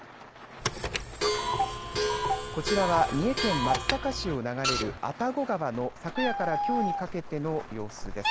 こちらは三重県松阪市を流れる愛宕川の、昨夜からきょうにかけての様子です。